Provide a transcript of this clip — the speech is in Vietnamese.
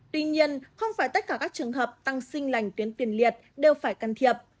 tuy nhiên không phải tất cả các trường hợp tăng sinh lành tuyến tiền liệt đều phải can thiệp